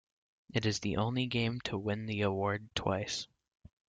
It is the only game to win the award twice.